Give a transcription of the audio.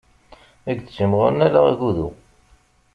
I yettimɣuṛen ala agudu.